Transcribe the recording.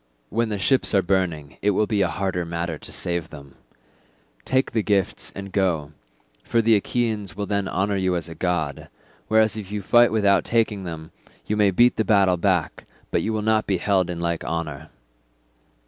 When the ships are burning it will be a harder matter to save them. Take the gifts, and go, for the Achaeans will then honour you as a god; whereas if you fight without taking them, you may beat the battle back, but you will not be held in like honour."